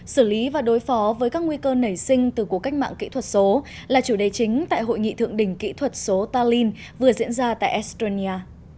xử lý và đối phó với các nguy cơ nảy sinh từ cuộc cách mạng kỹ thuật số là chủ đề chính tại hội nghị thượng đỉnh kỹ thuật số talin vừa diễn ra tại estonia